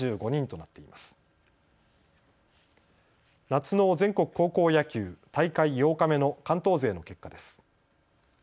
夏の全国高校野球大会８日目の関東勢の結果です。